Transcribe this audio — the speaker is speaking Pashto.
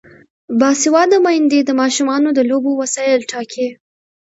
باسواده میندې د ماشومانو د لوبو وسایل ټاکي.